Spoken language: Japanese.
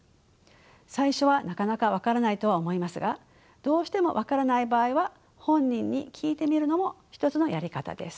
最初はなかなか分からないとは思いますがどうしても分からない場合は本人に聞いてみるのも一つのやり方です。